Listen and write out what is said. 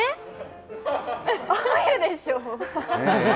あゆでしょ？